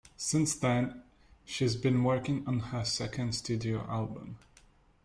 Since then, she's been working on her second studio album.